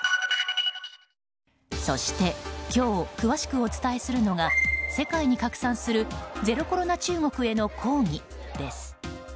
そして今日詳しくお伝えするのが世界に拡散するゼロコロナ中国への抗議です。